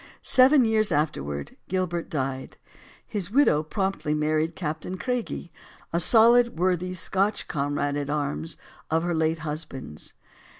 Seven years afterward, Gilbert died. His widow promptly married Captain Craigie, a solid, worthy, Scotch comrade at arms of her late husband's.